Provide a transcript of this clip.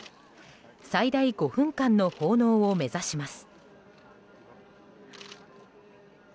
最大５分間の奉納を目指します。